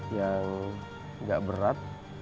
yang gak berat